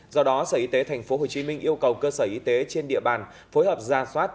do đó sở y tế tp hcm yêu cầu cơ sở y tế trên địa bàn phối hợp ra soát